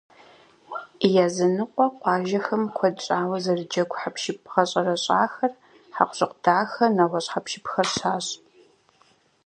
Языныкъуэ къуажэхэм куэд щӏауэ зэрыджэгу хьэпшып гъэщӏэрэщӏахэр, хьэкъущыкъу дахэ, нэгъуэщӏ хьэпшыпхэр щащӏ.